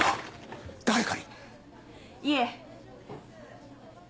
いえ。